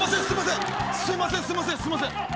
すいません